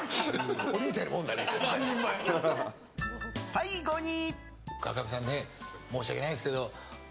最後に。